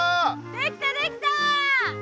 できたできた！